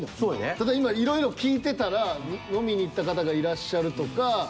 ただ今いろいろ聞いてたら飲みに行った方がいらっしゃるとか。